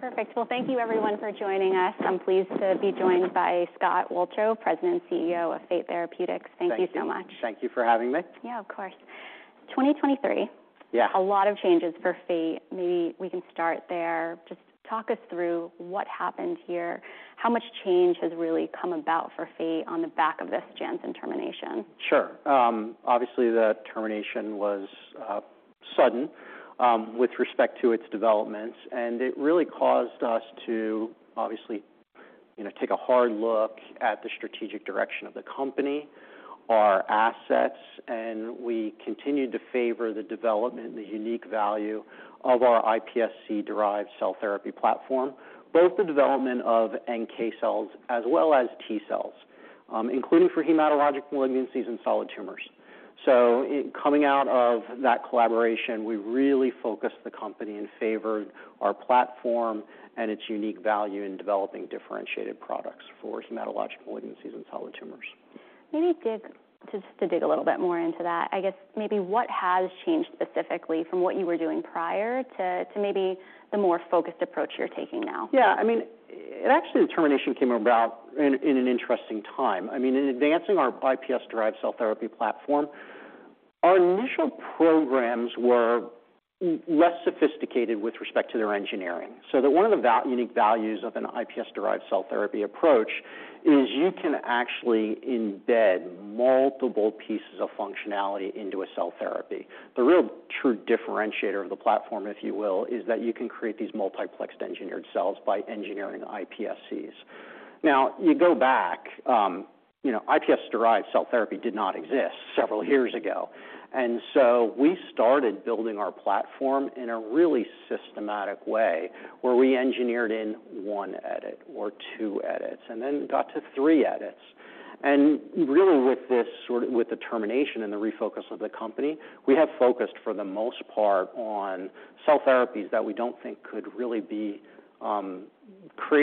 Perfect. Thank you everyone for joining us. I'm pleased to be joined by Scott Wolchko, President and CEO of Fate Therapeutics. Thank you so much. Thank you for having me. Yeah, of course. 2023. Yeah. A lot of changes for Fate. Maybe we can start there. Just talk us through what happened here, how much change has really come about for Fate on the back of this Janssen termination? Sure. obviously, the termination was sudden, with respect to its developments. It really caused us to obviously, you know, take a hard look at the strategic direction of the company, our assets. We continued to favor the development and the unique value of our iPSC-derived cell therapy platform, both the development of NK cells as well as T-cells, including for hematological malignancies and solid tumors. Coming out of that collaboration, we really focused the company and favored our platform and its unique value in developing differentiated products for hematological malignancies and solid tumors. Maybe dig, just to dig a little bit more into that, I guess maybe what has changed specifically from what you were doing prior to maybe the more focused approach you're taking now? Yeah, I mean, actually, the termination came about in an interesting time. I mean, in advancing our iPS-derived cell therapy platform, our initial programs were less sophisticated with respect to their engineering. One of the unique values of an iPS-derived cell therapy approach is you can actually embed multiple pieces of functionality into a cell therapy. The real true differentiator of the platform, if you will, is that you can create these multiplexed engineered cells by engineering iPSCs. You go back, you know, iPS-derived cell therapy did not exist several years ago, we started building our platform in a really systematic way, where we engineered in one edit or two edits and then got to three edits. really, with this, sort of, with the termination and the refocus of the company, we have focused for the most part on cell therapies that we don't think could really be created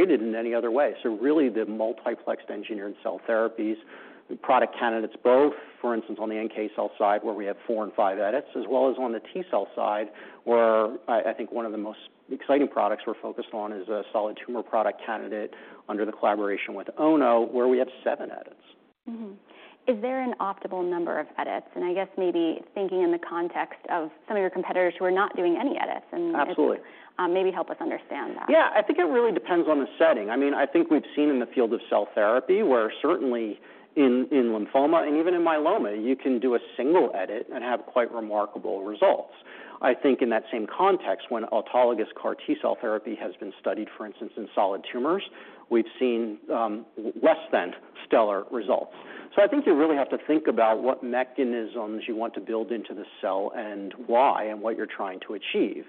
in any other way. really, the multiplexed engineered cell therapies, the product candidates, both, for instance, on the NK cell side, where we have 4 and 5 edits, as well as on the T-cell side, where I think one of the most exciting products we're focused on is a solid tumor product candidate under the collaboration with Ono, where we have 7 edits. Mm-hmm. Is there an optimal number of edits? I guess maybe thinking in the context of some of your competitors who are not doing any edits. Absolutely. - maybe help us understand that. Yeah, I mean, I think it really depends on the setting. I think we've seen in the field of cell therapy, where certainly in lymphoma and even in myeloma, you can do a single edit and have quite remarkable results. I think in that same context, when autologous CAR T-cell therapy has been studied, for instance, in solid tumors, we've seen less than stellar results. I think you really have to think about what mechanisms you want to build into the cell and why, and what you're trying to achieve.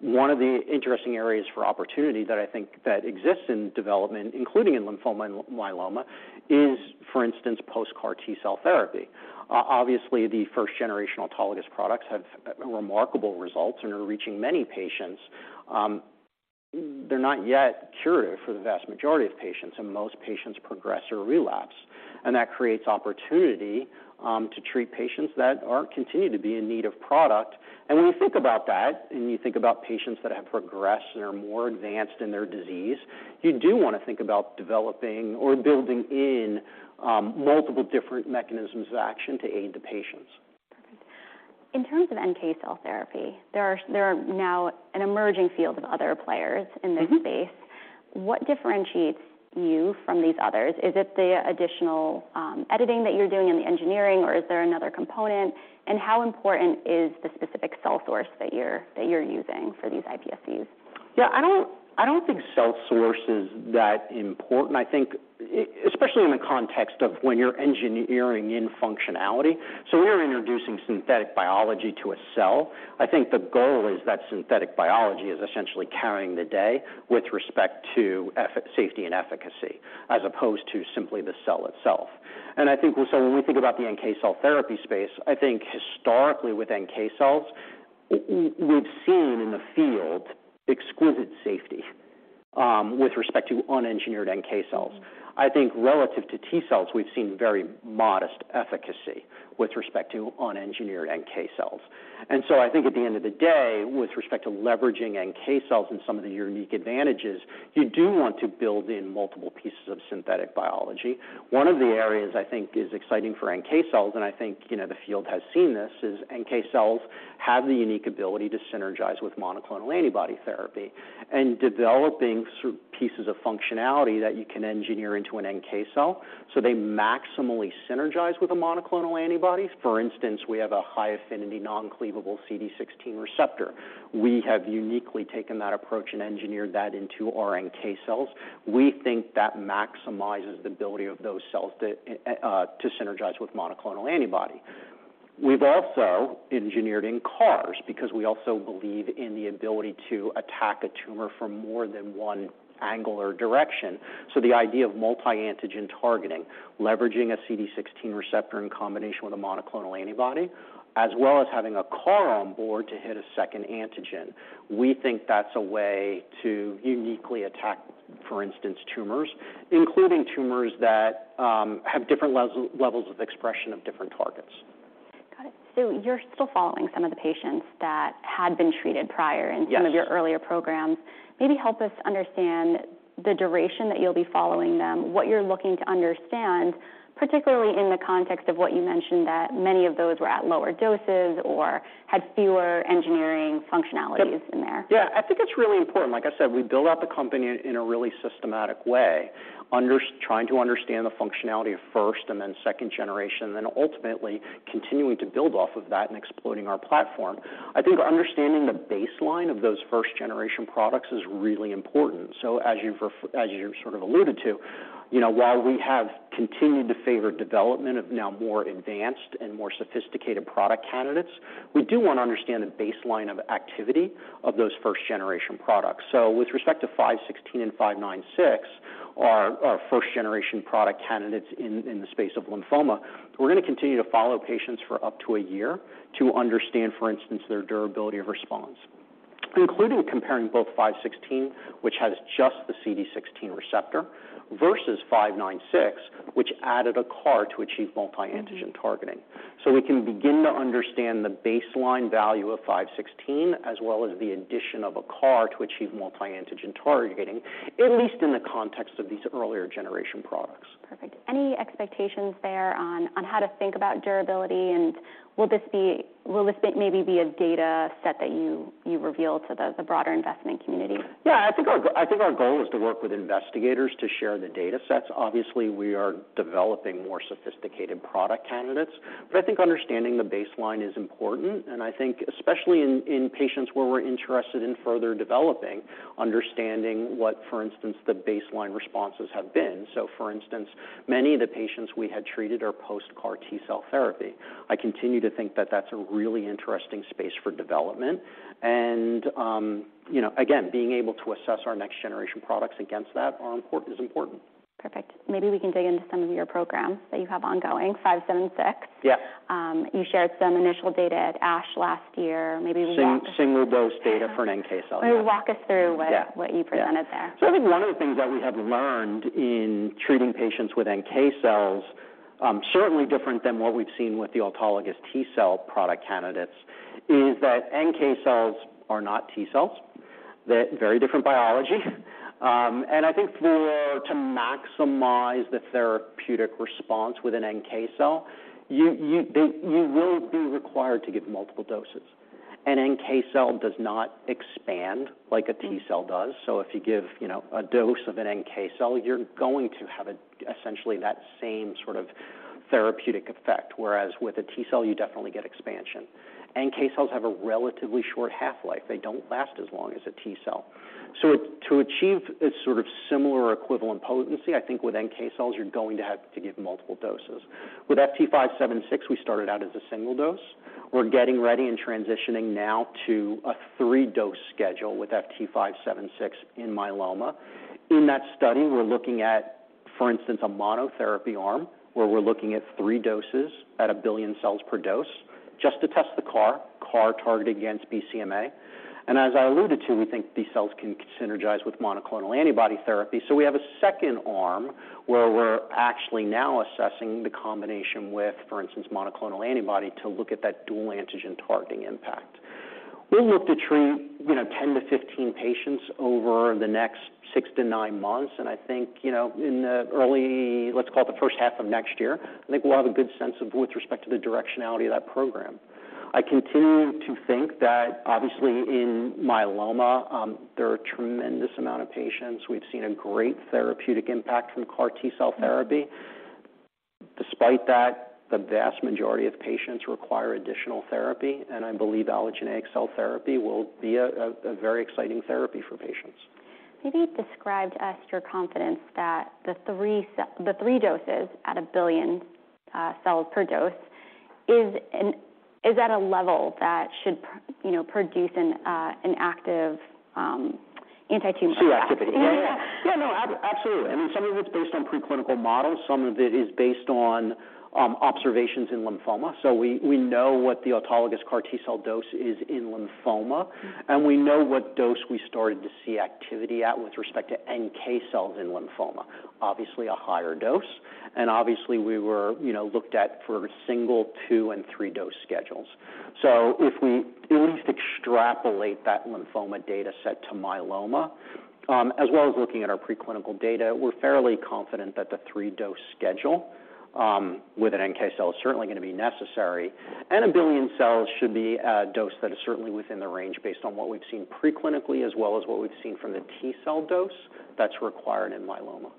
One of the interesting areas for opportunity that I think that exists in development, including in lymphoma and myeloma, is, for instance, post-CAR T-cell therapy. Obviously, the first-generation autologous products have remarkable results and are reaching many patients. They're not yet curative for the vast majority of patients, and most patients progress or relapse, and that creates opportunity to treat patients that are continuing to be in need of product. When you think about that, and you think about patients that have progressed and are more advanced in their disease, you do want to think about developing or building in multiple different mechanisms of action to aid the patients. In terms of NK cell therapy, there are now an emerging field of other players in this space. Mm-hmm. What differentiates you from these others? Is it the additional editing that you're doing in the engineering, or is there another component? How important is the specific cell source that you're using for these iPSCs? I don't, I don't think cell source is that important. I think, especially in the context of when you're engineering in functionality. We're introducing synthetic biology to a cell. I think the goal is that synthetic biology is essentially carrying the day with respect to safety and efficacy, as opposed to simply the cell itself. I think also, when we think about the NK cell therapy space, I think historically with NK cells, we've seen in the field exquisite safety with respect to unengineered NK cells. I think relative to T-cells, we've seen very modest efficacy with respect to unengineered NK cells. I think at the end of the day, with respect to leveraging NK cells and some of the unique advantages, you do want to build in multiple pieces of synthetic biology. One of the areas I think is exciting for NK cells, and I think, you know, the field has seen this, is NK cells have the unique ability to synergize with monoclonal antibody therapy and developing pieces of functionality that you can engineer into an NK cell, so they maximally synergize with a monoclonal antibody. For instance, we have a high-affinity, non-cleavable CD16 receptor. We have uniquely taken that approach and engineered that into our NK cells. We think that maximizes the ability of those cells to synergize with monoclonal antibody. We've also engineered in CARs because we also believe in the ability to attack a tumor from more than one angle or direction. The idea of multi-antigen targeting, leveraging a CD16 receptor in combination with a monoclonal antibody, as well as having a CAR on board to hit a second antigen, we think that's a way to uniquely attack, for instance, tumors, including tumors that have different levels of expression of different targets. ... you're still following some of the patients that had been treated prior. Yes. Maybe help us understand the duration that you'll be following them, what you're looking to understand, particularly in the context of what you mentioned, that many of those were at lower doses or had fewer engineering functionalities in there. Yeah, I think it's really important. Like I said, we build out the company in a really systematic way, trying to understand the functionality of first and then second generation, and then ultimately continuing to build off of that and exploiting our platform. I think understanding the baseline of those first-generation products is really important. As you sort of alluded to, you know, while we have continued to favor development of now more advanced and more sophisticated product candidates, we do want to understand the baseline of activity of those first-generation products. With respect to FT516 and FT596, our first-generation product candidates in the space of lymphoma, we're going to continue to follow patients for up to a year to understand, for instance, their durability of response, including comparing both FT516, which has just the CD16 receptor, versus FT596, which added a CAR to achieve multi-antigen targeting. Mm-hmm. We can begin to understand the baseline value of FT516, as well as the addition of a CAR to achieve multi-antigen targeting, at least in the context of these earlier generation products. Perfect. Any expectations there on how to think about durability, and will this maybe be a data set that you reveal to the broader investment community? Yeah, I think our goal is to work with investigators to share the data sets. Obviously, we are developing more sophisticated product candidates, but I think understanding the baseline is important, and I think especially in patients where we're interested in further developing, understanding what, for instance, the baseline responses have been. For instance, many of the patients we had treated are post-CAR T-cell therapy. I continue to think that that's a really interesting space for development, and, you know, again, being able to assess our next-generation products against that is important. Perfect. Maybe we can dig into some of your programs that you have ongoing. 576. Yes. You shared some initial data at ASH last year. Maybe we Same dose data for an NK cell, yeah. Maybe walk us through. Yeah. What you presented there. I think one of the things that we have learned in treating patients with NK cells, certainly different than what we've seen with the autologous T-cell product candidates, is that NK cells are not T-cells. They're very different biology. I think for to maximize the therapeutic response with an NK cell, you will be required to give multiple doses. An NK cell does not expand like a T-cell does. Mm-hmm. If you give, you know, a dose of an NK cell, you're going to have a essentially that same sort of therapeutic effect, whereas with a T-cell, you definitely get expansion. NK cells have a relatively short half-life. They don't last as long as a T-cell. It, to achieve a sort of similar equivalent potency, I think with NK cells, you're going to have to give multiple doses. With FT576, we started out as a 1 dose. We're getting ready and transitioning now to a 3-dose schedule with FT576 in myeloma. In that study, we're looking at, for instance, a monotherapy arm, where we're looking at 3 doses at 1 billion cells per dose just to test the CAR targeted against BCMA. As I alluded to, we think these cells can synergize with monoclonal antibody therapy. We have a second arm where we're actually now assessing the combination with, for instance, monoclonal antibody, to look at that dual antigen-targeting impact. We look to treat, you know, 10-15 patients over the next 6-9 months, and I think, you know, in the early, let's call it the first half of next year, I think we'll have a good sense of with respect to the directionality of that program. I continue to think that obviously in myeloma, there are a tremendous amount of patients. We've seen a great therapeutic impact from CAR T-cell therapy. Mm-hmm. Despite that, the vast majority of patients require additional therapy, and I believe allogeneic cell therapy will be a very exciting therapy for patients. Maybe describe to us your confidence that the 3 doses at 1 billion cells per dose is at a level that should, you know, produce an active anti-tumor? T. activity. Yeah. Yeah, yeah. No, absolutely. I mean, some of it's based on preclinical models, some of it is based on observations in lymphoma. We know what the autologous CAR T-cell dose is in lymphoma. Mm-hmm. We know what dose we started to see activity at with respect to NK cells in lymphoma. Obviously, a higher dose, and obviously, we were, you know, looked at for single, 2, and 3-dose schedules. If we at least extrapolate that lymphoma data set to myeloma, as well as looking at our preclinical data, we're fairly confident that the 3-dose schedule with an NK cell is certainly going to be necessary, and 1 billion cells should be a dose that is certainly within the range, based on what we've seen preclinically, as well as what we've seen from the T-cell dose that's required in myeloma.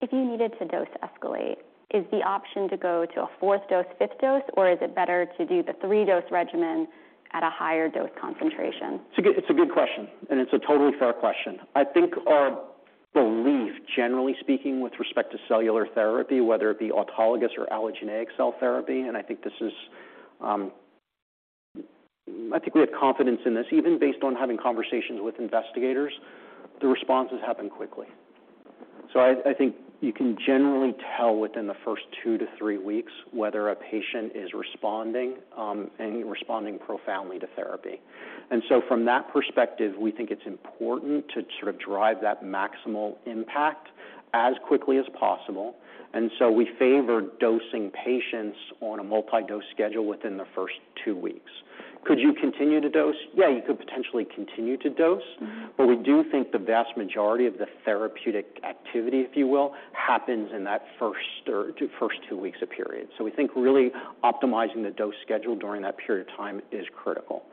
If you needed to dose escalate, is the option to go to a fourth dose, fifth dose, or is it better to do the three-dose regimen at a higher dose concentration? It's a good question. It's a totally fair question. I think our belief, generally speaking, with respect to cellular therapy, whether it be autologous or allogeneic cell therapy, I think this is... I think we have confidence in this, even based on having conversations with investigators, the responses happen quickly. I think you can generally tell within the first two to three weeks whether a patient is responding and responding profoundly to therapy. From that perspective, we think it's important to sort of drive that maximal impact, as quickly as possible. We favor dosing patients on a multi-dose schedule within the first two weeks. Could you continue to dose? Yeah, you could potentially continue to dose. Mm-hmm. We do think the vast majority of the therapeutic activity, if you will, happens in that first two weeks of period. We think really optimizing the dose schedule during that period of time is critical.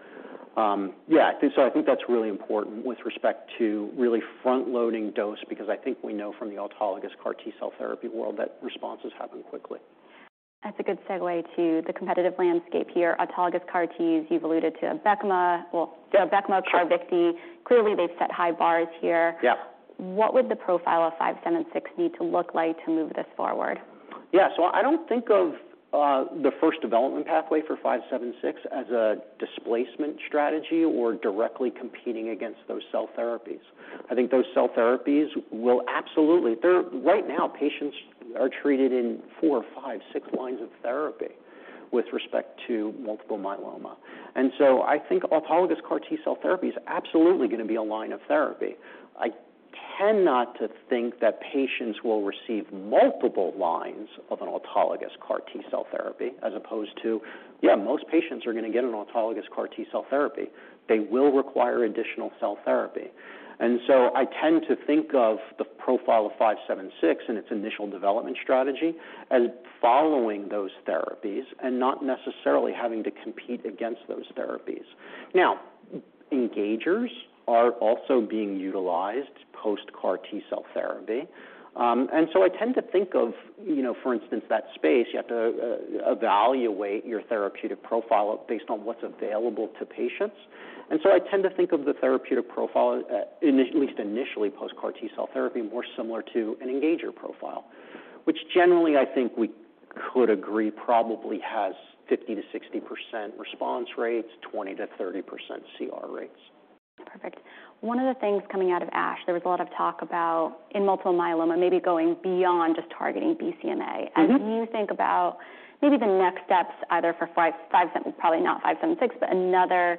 Yeah, I think that's really important with respect to really front-loading dose, because I think we know from the autologous CAR T-cell therapy world that responses happen quickly. That's a good segue to the competitive landscape here. Autologous CAR Ts, you've alluded to Abecma. Well, Yeah. Abecma, CARVYKTI. Clearly, they've set high bars here. Yeah. What would the profile of FT576 need to look like to move this forward? I don't think of the first development pathway for FT576 as a displacement strategy or directly competing against those cell therapies. I think those cell therapies will absolutely Right now, patients are treated in 4, 5, 6 lines of therapy with respect to multiple myeloma. I think autologous CAR T-cell therapy is absolutely going to be a line of therapy. I tend not to think that patients will receive multiple lines of an autologous CAR T-cell therapy, as opposed to, yeah, most patients are going to get an autologous CAR T-cell therapy. They will require additional cell therapy. I tend to think of the profile of FT576 and its initial development strategy as following those therapies and not necessarily having to compete against those therapies. Engagers are also being utilized post-CAR T-cell therapy. I tend to think of, you know, for instance, that space, you have to evaluate your therapeutic profile based on what's available to patients. I tend to think of the therapeutic profile, at least initially, post-CAR T-cell therapy, more similar to an engager profile, which generally I think we could agree, probably has 50%-60% response rates, 20%-30% CR rates. Perfect. One of the things coming out of ASH, there was a lot of talk about in multiple myeloma, maybe going beyond just targeting BCMA. Mm-hmm. As you think about maybe the next steps, either for five, probably not FT576, but another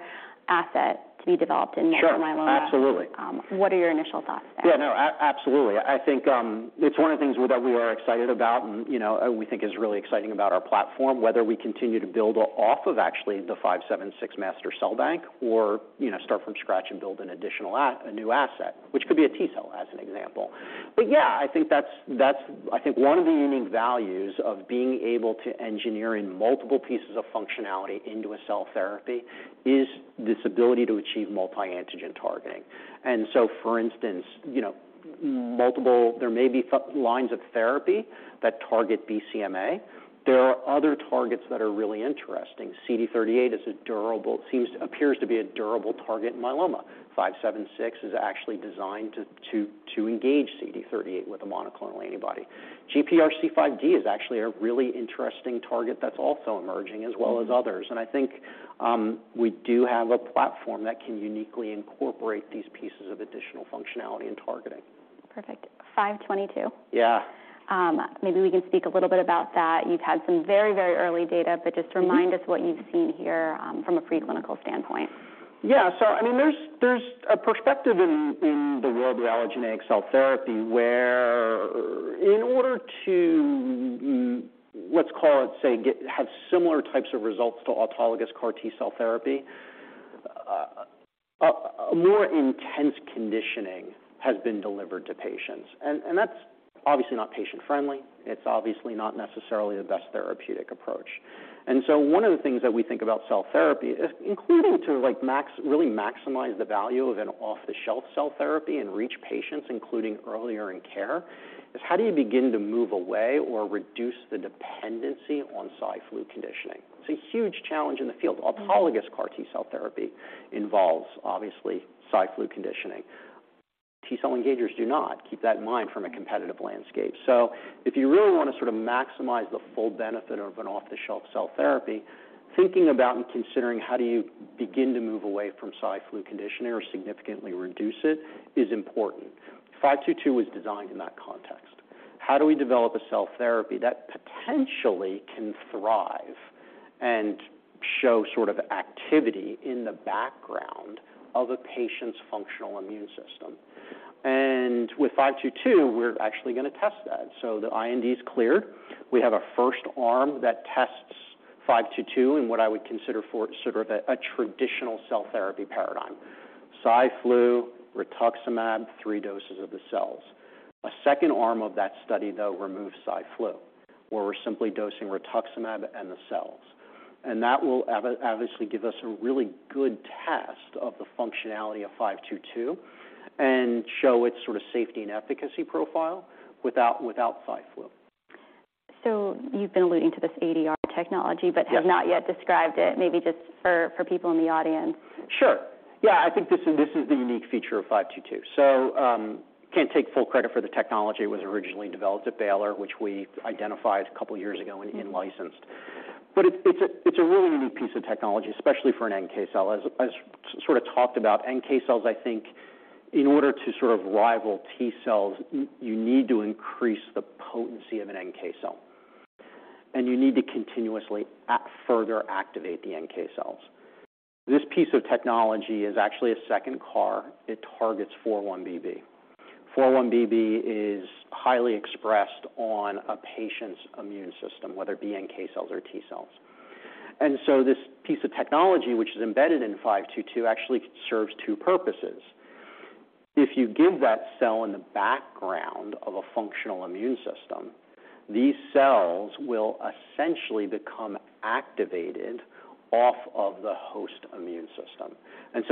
asset to be developed in- Sure... myeloma. Absolutely. What are your initial thoughts there? Yeah, no, absolutely. I think, it's one of the things that we are excited about and, you know, we think is really exciting about our platform, whether we continue to build off of actually the FT576 master cell bank or, you know, start from scratch and build a new asset, which could be a T-cell, as an example. Yeah, I think that's, I think one of the unique values of being able to engineer in multiple pieces of functionality into a cell therapy is this ability to achieve multi-antigen targeting. For instance, you know, multiple lines of therapy that target BCMA. There are other targets that are really interesting. CD38 is a durable, seems, appears to be a durable target in myeloma. 576 is actually designed to engage CD38 with a monoclonal antibody. GPRC5D is actually a really interesting target that's also emerging as well as others. I think we do have a platform that can uniquely incorporate these pieces of additional functionality and targeting. Perfect. 522. Yeah. maybe we can speak a little bit about that. You've had some very, very early data. Mm-hmm remind us what you've seen here, from a preclinical standpoint. Yeah. I mean, there's a perspective in the world of allogeneic cell therapy, where in order to, let's call it, say, have similar types of results to autologous CAR T-cell therapy, a more intense conditioning has been delivered to patients, and that's obviously not patient-friendly. It's obviously not necessarily the best therapeutic approach. One of the things that we think about cell-therapy, including to like max, really maximize the value of an off-the-shelf cell therapy and reach patients, including earlier in care, is how do you begin to move away or reduce the dependency on Cy/Flu conditioning? It's a huge challenge in the field. Mm-hmm. Autologous CAR T-cell therapy involves obviously Cy/Flu conditioning. T-cell engagers do not, keep that in mind from a competitive landscape. If you really want to sort of maximize the full benefit of an off-the-shelf cell therapy, thinking about and considering how do you begin to move away from Cy/Flu conditioning or significantly reduce it, is important. FT522 was designed in that context. How do we develop a cell therapy that potentially can thrive and show sort of activity in the background of a patient's functional immune system? With FT522, we're actually going to test that. The IND is clear. We have a first arm that tests FT522 in what I would consider for sort of a traditional cell therapy paradigm. Cy/Flu, rituximab, 3 doses of the cells. A second arm of that study, though, removes Cy/Flu, where we're simply dosing rituximab and the cells. That will obviously give us a really good test of the functionality of FT522 and show its sort of safety and efficacy profile without Cy/Flu. You've been alluding to this ADR technology. Yes... but have not yet described it, maybe just for people in the audience. Sure. Yeah, I think this is, this is the unique feature of FT522. Can't take full credit for the technology. It was originally developed at Baylor College of Medicine, which we identified a couple of years ago and in-licensed. It's, it's a, it's a really unique piece of technology, especially for an NK cell. As I sort of talked about, NK cells, I think in order to sort of rival T-cells, you need to increase the potency of an NK cell and you need to continuously further activate the NK cells. This piece of technology is actually a second CAR. It targets 4-1BB. 4-1BB is highly expressed on a patient's immune system, whether it be NK cells or T-cells. This piece of technology, which is embedded in FT522, actually serves two purposes. If you give that cell in the background of a functional immune system, these cells will essentially become activated off of the host immune system.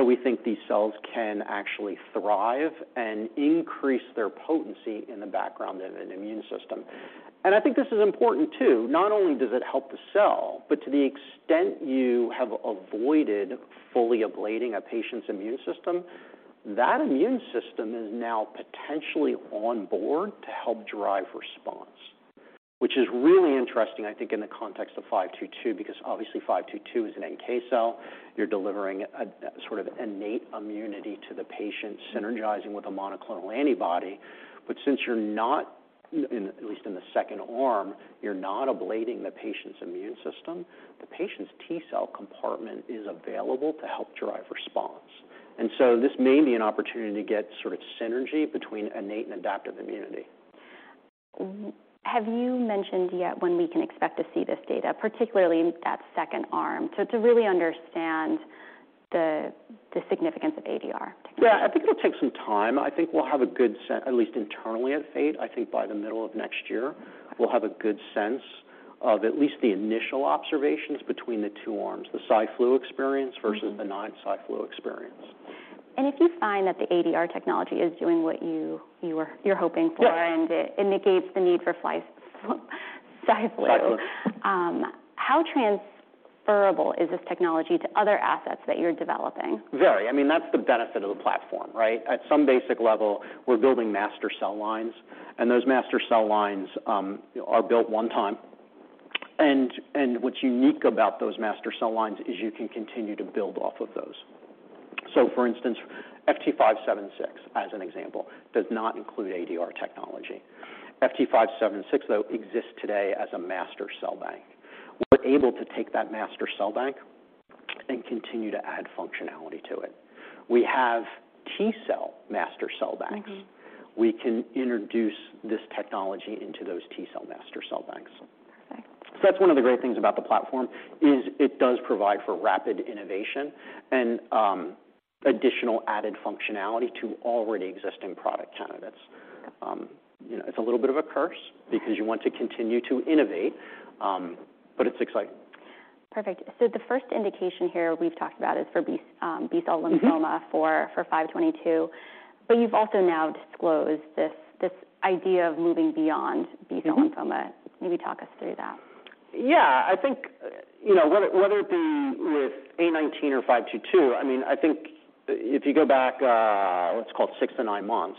We think these cells can actually thrive and increase their potency in the background of an immune system. I think this is important, too. Not only does it help the cell, but to the extent you have avoided fully ablating a patient's immune system, that immune system is now potentially on board to help drive response, which is really interesting, I think, in the context of five two two, because obviously five two two is an NK cell. You're delivering a sort of innate immunity to the patient, synergizing with a monoclonal antibody. Since you're not, in at least in the second arm, you're not ablating the patient's immune system. The patient's T-cell compartment is available to help drive response, and so this may be an opportunity to get sort of synergy between innate and adaptive immunity. Have you mentioned yet when we can expect to see this data, particularly in that second arm? To really understand the significance of ADR, particularly. Yeah, I think it'll take some time. I think we'll have a good sense, at least internally at Fate. I think by the middle of next year, we'll have a good sense of at least the initial observations between the two arms, the Cy/Flu experience. Mm-hmm. Versus the non-Cy/Flu experience. If you find that the ADR technology is doing what you're hoping for. Yes. It negates the need for Flu, Cy/Flu. Cyflu. How transferable is this technology to other assets that you're developing? Very. I mean, that's the benefit of the platform, right? At some basic level, we're building master cell lines, and those master cell lines are built one time, and what's unique about those master cell lines is you can continue to build off of those. For instance, FT576, as an example, does not include ADR technology. FT576, though, exists today as a master cell bank. We're able to take that master cell bank and continue to add functionality to it. We have T-cell master cell banks. Mm-hmm. We can introduce this technology into those T-cell Master Cell Banks. Perfect. That's one of the great things about the platform, is it does provide for rapid innovation and additional added functionality to already existing product candidates. Okay. you know, it's a little bit of a curse- Okay. because you want to continue to innovate, but it's exciting. Perfect. The first indication here we've talked about is for B-cell lymphoma. Mm-hmm. -for FT522, you've also now disclosed this idea of moving beyond B-cell lymphoma. Mm-hmm. Maybe talk us through that. Yeah. I think, you know, whether it be with CD19 or FT522, I mean, I think if you go back 6-9 months,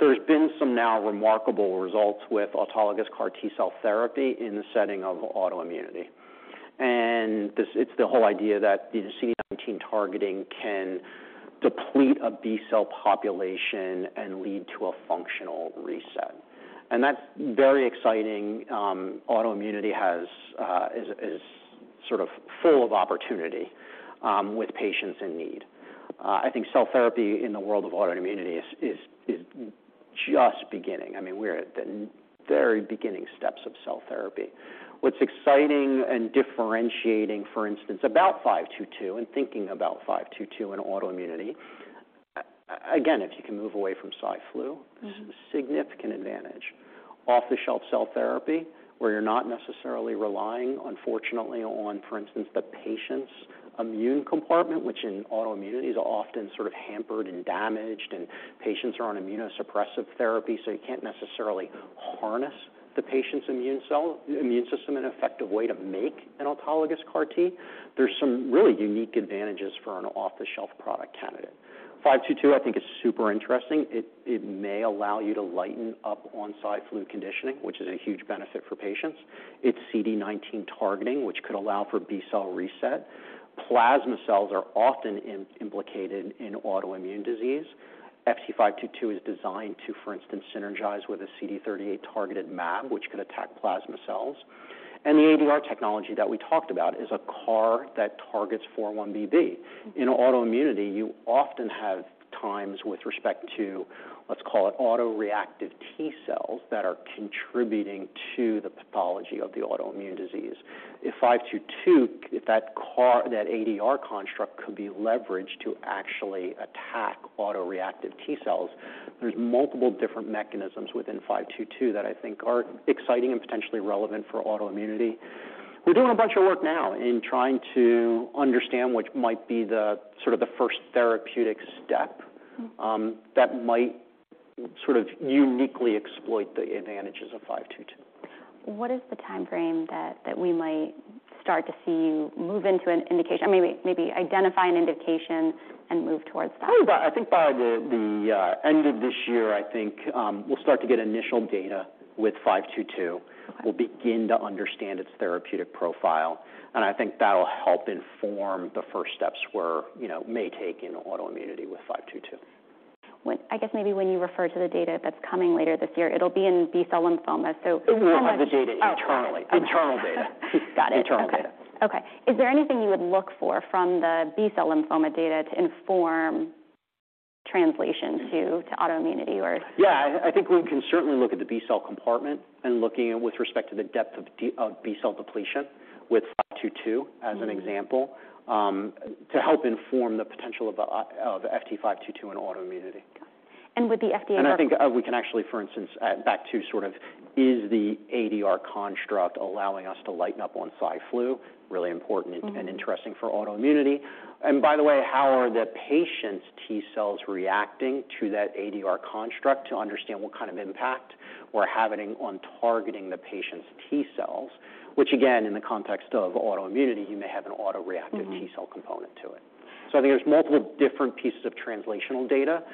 there's been some now remarkable results with autologous CAR T-cell therapy in the setting of autoimmunity. It's the whole idea that the CD19 targeting can deplete a B cell population and lead to a functional reset, that's very exciting. Autoimmunity has, is sort of full of opportunity with patients in need. I think cell therapy in the world of autoimmunity is just beginning. I mean, we're at the very beginning steps of cell therapy. What's exciting and differentiating, for instance, about FT522 and thinking about FT522 in autoimmunity, again, if you can move away from Cy/Flu. Mm-hmm. -significant advantage. Off-the-shelf cell therapy, where you're not necessarily relying, unfortunately, on, for instance, the patient's immune compartment, which in autoimmunity is often sort of hampered and damaged, and patients are on immunosuppressive therapy, so you can't necessarily harness the patient's immune system, an effective way to make an autologous CAR T. There's some really unique advantages for an off-the-shelf product candidate. FT522, I think is super interesting. It may allow you to lighten up on Cy/Flu conditioning, which is a huge benefit for patients. It's CD19 targeting, which could allow for B-cell reset. Plasma cells are often implicated in autoimmune disease. FT522 is designed to, for instance, synergize with a CD38 targeted mAb, which could attack plasma cells. The ADR technology that we talked about is a CAR that targets 4-1BB. Mm-hmm. In autoimmunity, you often have times with respect to, let's call it autoreactive T-cells, that are contributing to the pathology of the autoimmune disease. If FT522, if that CAR, that ADR construct could be leveraged to actually attack autoreactive T-cells, there's multiple different mechanisms within FT522 that I think are exciting and potentially relevant for autoimmunity. We're doing a bunch of work now in trying to understand which might be the sort of the first therapeutic step- Mm-hmm. that might sort of uniquely exploit the advantages of FT522. What is the time frame that we might start to see you move into an indication? I mean, maybe identify an indication and move towards that? Probably by, I think by the end of this year, I think, we'll start to get initial data with FT522. Okay. We'll begin to understand its therapeutic profile, and I think that'll help inform the first steps we're, you know, may take in autoimmunity with FT522. I guess maybe when you refer to the data that's coming later this year, it'll be in B-cell lymphoma. We have the data internally. Oh, okay. Internal data. Got it. Internal data. Okay. Is there anything you would look for from the B-cell lymphoma data to inform translation to autoimmunity, or? Yeah, I think we can certainly look at the B-cell compartment and looking at with respect to the depth of B-cell depletion with FT522. Mm-hmm. As an example, to help inform the potential of FT522 in autoimmunity. Got it. With the FDA- I think, we can actually, for instance, back to sort of is the ADR construct allowing us to lighten up on Cy/Flu, really important... Mm-hmm. Interesting for autoimmunity. By the way, how are the patient's T-cells reacting to that ADR construct to understand what kind of impact we're having on targeting the patient's T-cells, which again, in the context of autoimmunity, you may have an autoreactive. Mm-hmm... T-cell component to it. I think there's multiple different pieces of translational data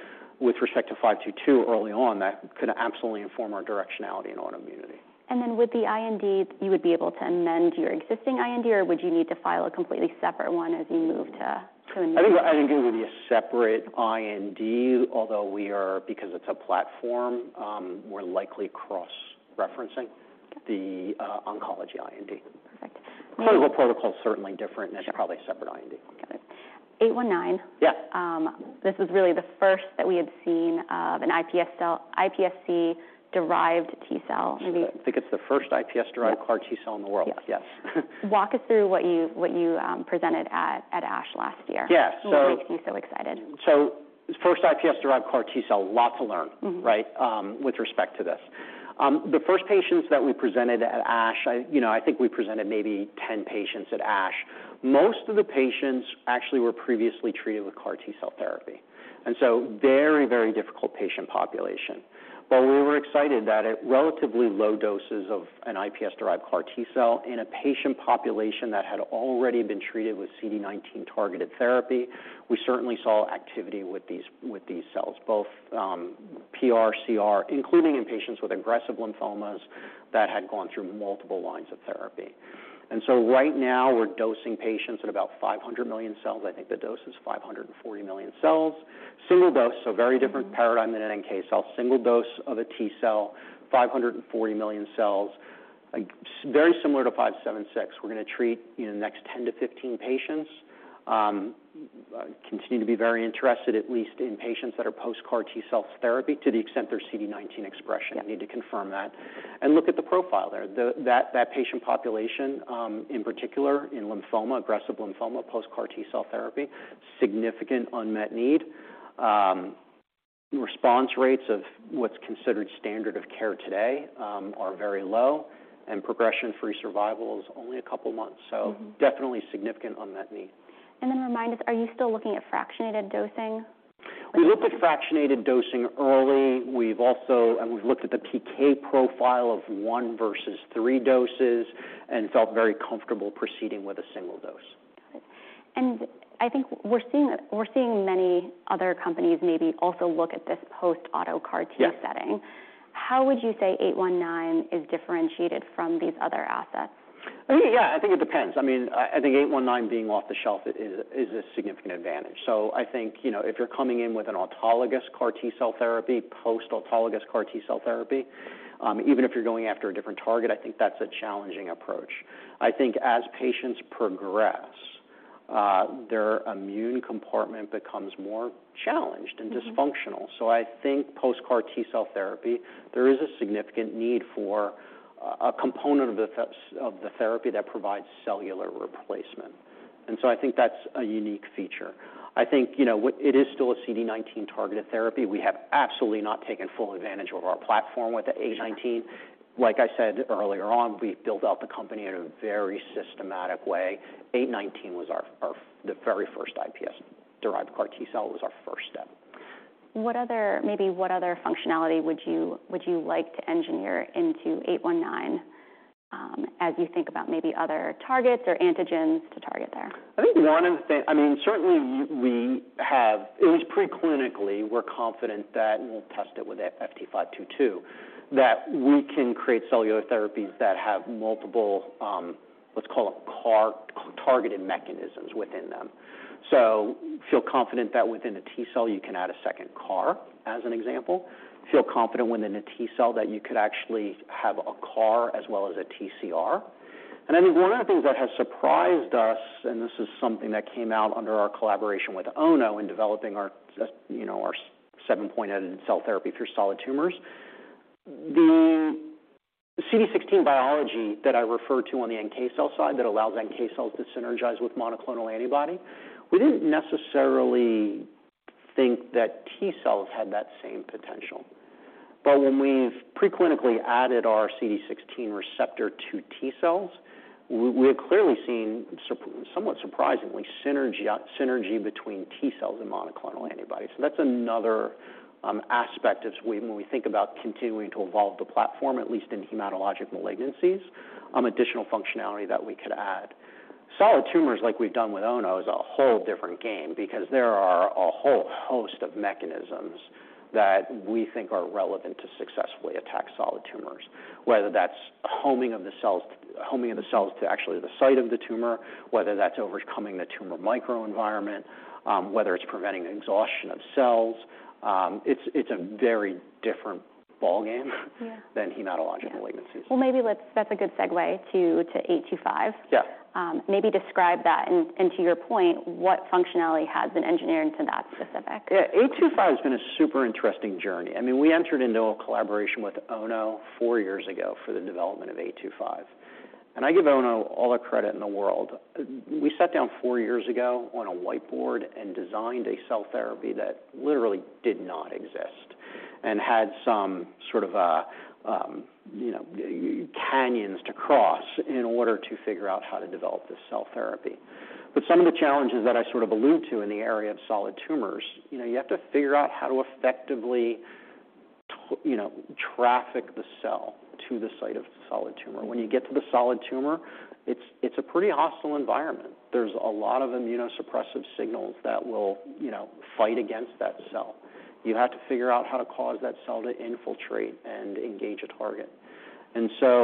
with respect to FT522 early on, that could absolutely inform our directionality in autoimmunity. With the IND, you would be able to amend your existing IND, or would you need to file a completely separate one as you move? I think it would be a separate IND, although we are, because it's a platform, we're likely cross-referencing-. Got it. The oncology IND. Perfect. Clinical protocol is certainly different. Sure. It's probably a separate IND. Got it. 819. Yeah. This is really the first that we had seen of an iPS cell, iPSC-derived T-cell. I think it's the first iPS-derived- Yeah... CAR T-cell in the world. Yes. Yes. Walk us through what you presented at ASH last year. Yes. What makes me so excited? first, iPS-derived CAR T-cell, a lot to learn. Mm-hmm. Right? With respect to this. The first patients that we presented at ASH, I, you know, I think we presented maybe 10 patients at ASH. Most of the patients actually were previously treated with CAR T-cell therapy, and so very, very difficult patient population. We were excited that at relatively low doses of an iPSC-derived CAR T-cell in a patient population that had already been treated with CD19 targeted therapy, we certainly saw activity with these cells, both PR, CR, including in patients with aggressive lymphomas that had gone through multiple lines of therapy. Right now, we're dosing patients at about 500 million cells. I think the dose is 540 million cells. Single dose, so a very different. Mm-hmm. Paradigm than NK cell. Single dose of a T-cell, 540 million cells, like very similar to FT576. We're gonna treat, you know, the next 10-15 patients. Continue to be very interested, at least in patients that are post-CAR T-cell therapy, to the extent they're CD19 expression. Yeah. We need to confirm that and look at the profile there. That patient population, in particular in lymphoma, aggressive lymphoma, post-CAR T-cell therapy, significant unmet need. Response rates of what's considered standard of care today are very low, and progression-free survival is only a couple of months. Mm-hmm. Definitely significant unmet need. remind us, are you still looking at fractionated dosing? We looked at fractionated dosing early. We've looked at the PK profile of one versus three doses and felt very comfortable proceeding with a single dose. Got it. I think we're seeing many other companies maybe also look at this post auto CAR T-... Yeah... setting. How would you say FT819 is differentiated from these other assets? I think, yeah, I think it depends. I mean, I think FT819 being off-the-shelf is a significant advantage. I think, you know, if you're coming in with an autologous CAR T-cell therapy, post autologous CAR T-cell therapy, even if you're going after a different target, I think that's a challenging approach. I think as patients progress, their immune compartment becomes more challenged... Mm-hmm... and dysfunctional. I think post-CAR T-cell therapy, there is a significant need for a component of the therapy that provides cellular replacement. I think that's a unique feature. I think, you know, it is still a CD19 targeted therapy. We have absolutely not taken full advantage of our platform with the FT819. Sure. Like I said earlier on, we've built out the company in a very systematic way. 819 was the very first iPS-derived CAR T-cell. It was our first step. What other functionality would you like to engineer into FT819 as you think about other targets or antigens to target there? I mean, certainly we have, at least preclinically, we're confident that, and we'll test it with FT522, that we can create cellular therapies that have multiple, let's call them CAR-targeted mechanisms within them. Feel confident that within a T-cell, you can add a second CAR, as an example. Feel confident within a T-cell that you could actually have a CAR as well as a TCR. I think one of the things that has surprised us, and this is something that came out under our collaboration with Ono in developing our, you know, our 7-point edited cell therapy for solid tumors. The CD16 biology that I referred to on the NK cell side, that allows NK cells to synergize with monoclonal antibody, we didn't necessarily think that T-cells had that same potential. When we've preclinically added our CD16 receptor to Tcells, we're clearly seeing somewhat surprisingly, synergy between T-cells and monoclonal antibodies. That's another aspect as we, when we think about continuing to evolve the platform, at least in hematologic malignancies, additional functionality that we could add. Solid tumors, like we've done with Ono, is a whole different game because there are a whole host of mechanisms that we think are relevant to successfully attack solid tumors, whether that's homing of the cells to actually the site of the tumor, whether that's overcoming the tumor microenvironment, whether it's preventing exhaustion of cells, it's a very different ballgame... Yeah. -than hematological malignancies. Well, maybe let's. That's a good segue to eight two five. Yeah. maybe describe that, and to your point, what functionality has been engineered into that specific? FT825 has been a super interesting journey. I mean, we entered into a collaboration with Ono four years ago for the development of FT825, and I give Ono all the credit in the world. We sat down four years ago on a whiteboard and designed a cell therapy that literally did not exist and had some sort of a, you know, canyons to cross in order to figure out how to develop this cell therapy. Some of the challenges that I sort of allude to in the area of solid tumors, you know, you have to figure out how to effectively, you know, traffic the cell to the site of the solid tumor. When you get to the solid tumor, it's a pretty hostile environment. There's a lot of immunosuppressive signals that will, you know, fight against that cell. You have to figure out how to cause that cell to infiltrate and engage a target.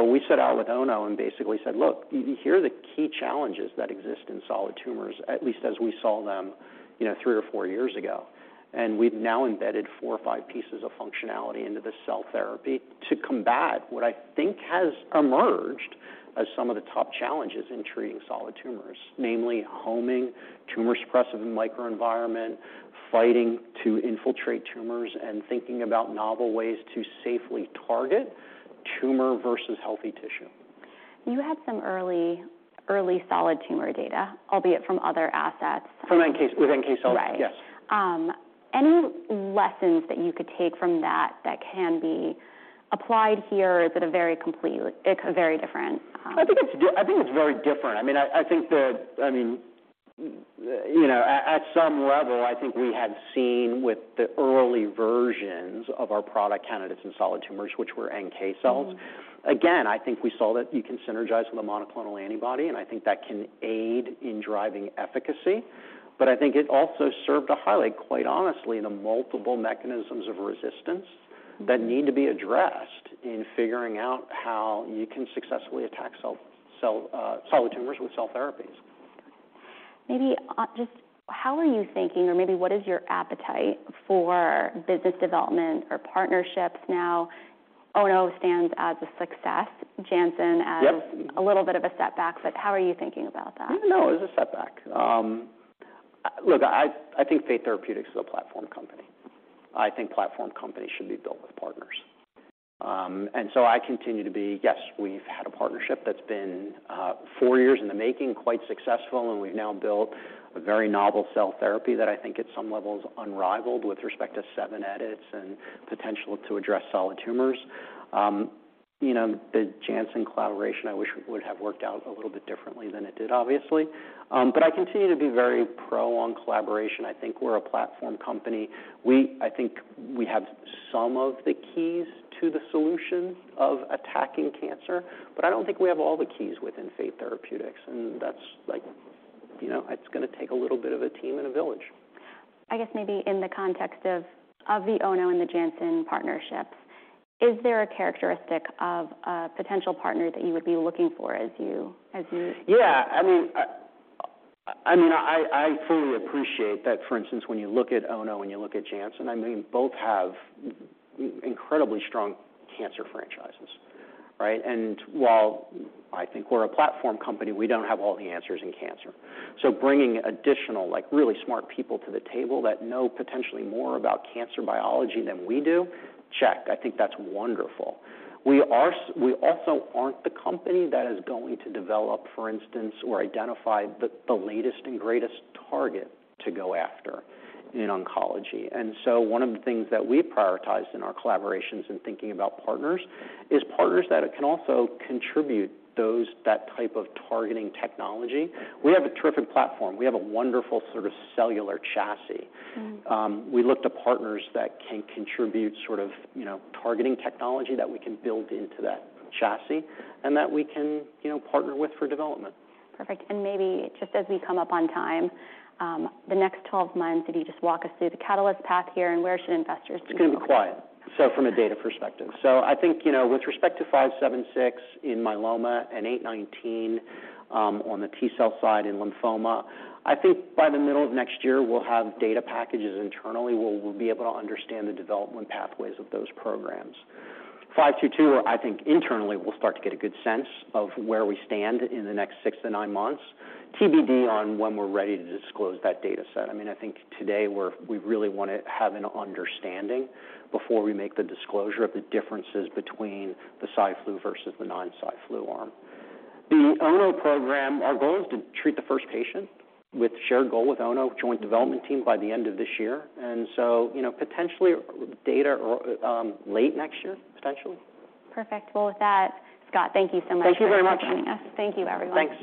We set out with Ono and basically said, "Look, here are the key challenges that exist in solid tumors," at least as we saw them, you know, 3 or 4 years ago. We've now embedded 4 or 5 pieces of functionality into this cell therapy to combat what I think has emerged as some of the top challenges in treating solid tumors, namely homing, tumor suppressive microenvironment, fighting to infiltrate tumors, and thinking about novel ways to safely target tumor versus healthy tissue. You had some early solid tumor data, albeit from other assets. From NK cells. With NK cells. Right. Yes. Any lessons that you could take from that can be applied here? It's a very different. I think it's very different. I mean, you know, at some level, I think we had seen with the early versions of our product candidates in solid tumors, which were NK cells. Mm-hmm. Again, I think we saw that you can synergize with a monoclonal antibody, and I think that can aid in driving efficacy, but I think it also served to highlight, quite honestly, the multiple mechanisms of resistance- Mm-hmm -that need to be addressed in figuring out how you can successfully attack cell solid tumors with cell therapies. Maybe, just how are you thinking or maybe what is your appetite for business development or partnerships now? Ono stands as a success, Janssen. Yep ...a little bit of a setback, but how are you thinking about that? I don't know. It was a setback. look, I think Fate Therapeutics is a platform company. I think platform companies should be built with partners. Yes, we've had a partnership that's been, four years in the making, quite successful, and we've now built a very novel cell therapy that I think at some level is unrivaled with respect to seven edits and potential to address solid tumors. you know, the Janssen collaboration, I wish would have worked out a little bit differently than it did, obviously. I continue to be very pro on collaboration. I think we're a platform company. I think we have some of the keys to the solution of attacking cancer, but I don't think we have all the keys within Fate Therapeutics, and that's like, you know, it's gonna take a little bit of a team and a village. I guess maybe in the context of the Ono and the Janssen partnerships, is there a characteristic of a potential partner that you would be looking for as you? Yeah. I mean, I fully appreciate that. For instance, when you look at Ono and you look at Janssen, I mean, both have incredibly strong cancer franchises, right? While I think we're a platform company, we don't have all the answers in cancer. Bringing additional, like, really smart people to the table that know potentially more about cancer biology than we do, check. I think that's wonderful. We also aren't the company that is going to develop, for instance, or identify the latest and greatest target to go after in oncology. One of the things that we prioritize in our collaborations and thinking about partners is partners that can also contribute those, that type of targeting technology. We have a terrific platform. We have a wonderful sort of cellular chassis. Mm-hmm. We look to partners that can contribute sort of, you know, targeting technology that we can build into that chassis and that we can, you know, partner with for development. Perfect. Maybe just as we come up on time, the next 12 months, could you just walk us through the catalyst path here, and where should investors be? It's gonna be quiet, from a data perspective. I think, you know, with respect to FT576 in myeloma and FT819, on the T-cell side in lymphoma, I think by the middle of next year, we'll have data packages internally, where we'll be able to understand the development pathways of those programs. FT522, I think internally, we'll start to get a good sense of where we stand in the next six to nine months. TBD on when we're ready to disclose that data set. I mean, I think today we really want to have an understanding before we make the disclosure of the differences between the Cy/Flu versus the non-Cy/Flu arm. The Ono program, our goal is to treat the first patient, with shared goal with Ono, joint development team, by the end of this year, and so, you know, potentially data late next year, potentially. Perfect. Well, with that, Scott, thank you so much- Thank you very much. -for joining us. Thank you, everyone. Thanks.